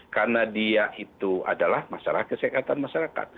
karena dia itu adalah masalah kesehatan masyarakat